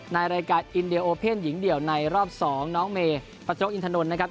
ในรายการอินเดียโอเพ่นหญิงเดี่ยวในรอบ๒น้องเมย์ปัจจกอินทนนท์นะครับ